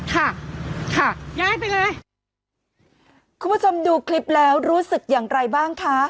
ค่ะค่ะย้ายเป็นไงคุณผู้ชมดูคลิปแล้วรู้สึกอย่างไรบ้างคะ